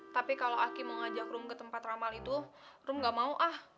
tapi kalau aki mau ngajak rum ke tempat ramal itu rum gak mau ah